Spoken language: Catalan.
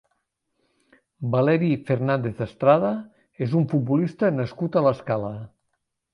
Valery Fernández Estrada és un futbolista nascut a l'Escala.